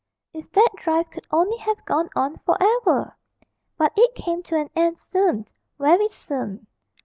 If that drive could only have gone on for ever! but it came to an end soon, very soon.